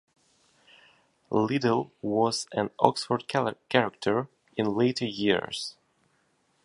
Liddell was an Oxford "character" in later years.